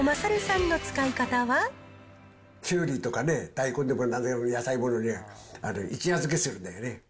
きゅうりとかね、大根とかのなんでも野菜なんかね、一夜漬けするんだよね。